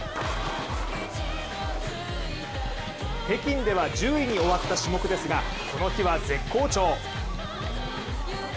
北京では１０位に終わった種目ですがこの日は絶好調。